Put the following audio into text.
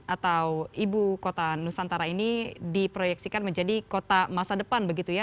atau ibu kota nusantara ini diproyeksikan menjadi kota masa depan begitu ya